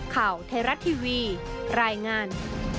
ข่าวไทยรัฐทีวีรายงาน